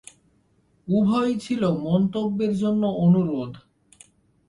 উভয়ই ছিল মন্তব্যের জন্য অনুরোধ।